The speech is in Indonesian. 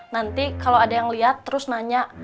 nanti kalau ada yang lihat terus nanya